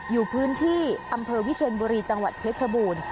อยู่พื้นที่อำเภอวิเชียนบุรีจังหวัดเพชรบูรณ์